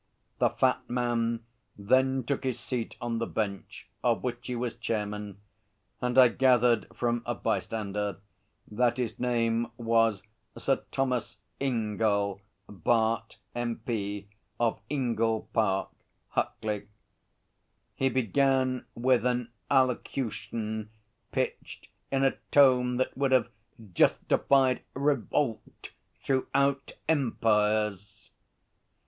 The fat man then took his seat on the Bench, of which he was chairman, and I gathered from a bystander that his name was Sir Thomas Ingell, Bart., M.P., of Ingell Park, Huckley. He began with an allocution pitched in a tone that would have justified revolt throughout empires.